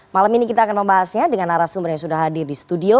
malam ini kita akan membahasnya dengan arah sumber yang sudah hadir di studio